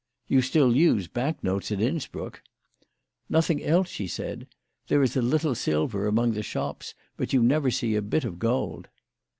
" You still use bank notes at Innsbruck ?" "Nothing else," she said. "There is a little silver among the shops, but you nfcver see a bit of gold."